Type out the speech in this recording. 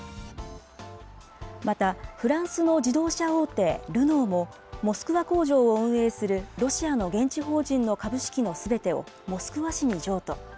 また、フランスの自動車大手、ルノーも、モスクワ工場を運営するロシアの現地法人の株式のすべてをモスクワ市に譲渡。